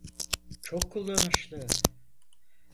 Çok kullanışlı.